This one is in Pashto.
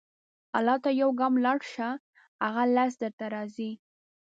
الله ته یو ګام لاړ شه، هغه لس درته راځي.